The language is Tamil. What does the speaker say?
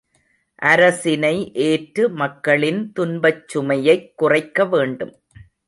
அரசினை ஏற்று மக்களின் துன்பச்சுமையைக் குறைக்க வேண்டும்.